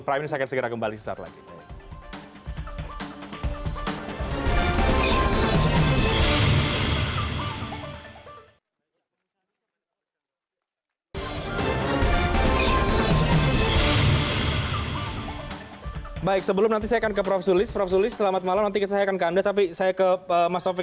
prime ini saya akan segera kembali sesaat lagi